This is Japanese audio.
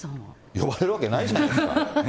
呼ばれるわけないじゃないですか。